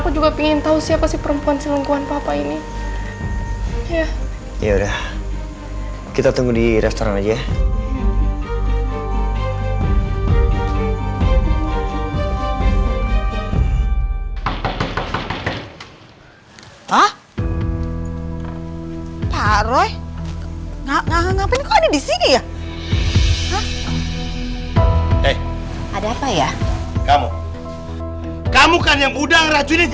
kamu kan yang udah ngeracuni pikiran istri saya kan